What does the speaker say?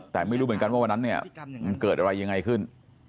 แต่ไม่รู้เหมือนกันว่าวันนั้นเนี่ยมันเกิดอะไรยังไงขึ้น